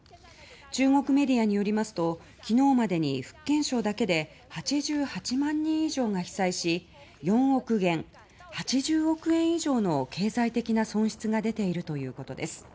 中国メディアによりますと昨日までに福建省だけで８８万人以上が被災し、４億元８０億円以上の経済的な損失が出ているということです。